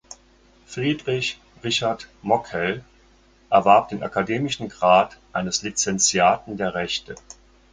Friedrich Richard Mockhel erwarb den akademischen Grad eines Lizenziaten der Rechte.